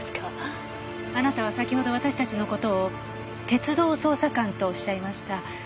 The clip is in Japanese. あなたは先ほど私たちの事を鉄道捜査官とおっしゃいました。